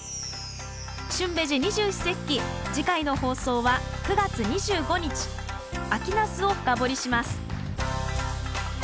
「旬ベジ二十四節気」次回の放送は９月２５日「秋ナス」を深掘りします。